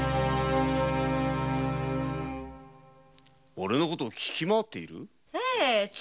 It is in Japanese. おれのことを聞きまわっている？